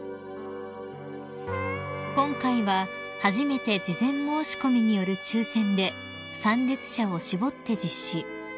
［今回は初めて事前申し込みによる抽選で参列者を絞って実施］